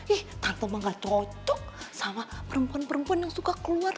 ih tante mah nggak cocok sama perempuan perempuan yang suka keluar